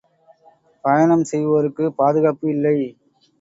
பயணம் செய்வோருக்குப் பாதுகாப்பு இல்லை!